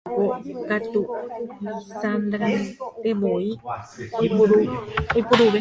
che areko katu Lizandrantevoi oiporuve